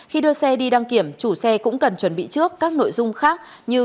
khi đưa xe đi đăng kiểm chủ xe cũng cần chuẩn bị trước các nội dung khác như